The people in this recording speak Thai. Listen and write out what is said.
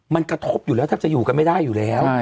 มันกระทบอยู่แล้วแทบจะอยู่กันไม่ได้อยู่แล้ว